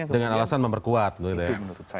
dengan alasan memperkuat itu menurut saya